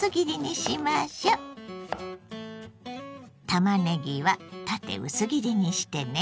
たまねぎは縦薄切りにしてね。